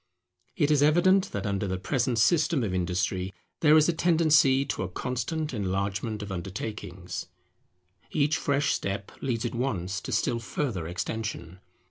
It is evident that under the present system of industry there is a tendency to a constant enlargement of undertakings: each fresh step leads at once to still further extension.